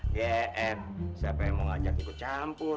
gf siapa yang mau ngajak ikut campur